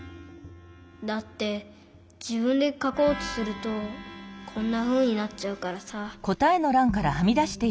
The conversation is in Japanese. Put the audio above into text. だってじぶんでかこうとするとこんなふうになっちゃうからさ。